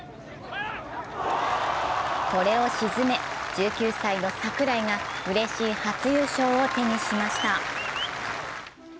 これを沈め１９歳の櫻井がうれしい初優勝を手にしました。